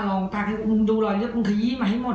มึงดูหลอยนะครับมึงขยี้มาให้หมด